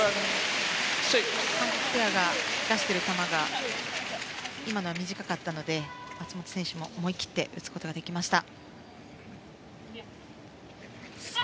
韓国ペアが出している球が今のは短かったので松本選手も思い切って打つことができました。